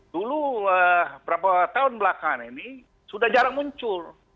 dulu beberapa tahun belakang ini sudah jarang muncul